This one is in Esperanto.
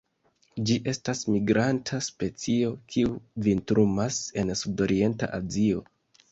Ĝi estas migranta specio, kiu vintrumas en sudorienta Azio.